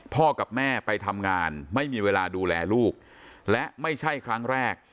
กับแม่ไปทำงานไม่มีเวลาดูแลลูกและไม่ใช่ครั้งแรก